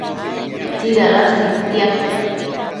tsidadash nidtiad